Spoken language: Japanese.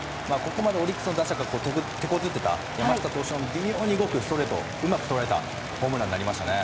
ここまでオリックスの打者が手こずった山下投手の微妙に動くストレートをうまく捉えたホームランになりましたね。